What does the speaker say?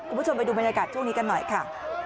คุณผู้ชมไปดูบรรยากาศช่วงนี้กันหน่อยค่ะ